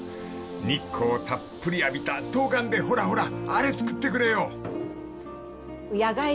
日光たっぷり浴びたトウガンでほらほらあれ作ってくれよ］